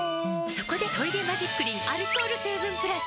そこで「トイレマジックリン」アルコール成分プラス！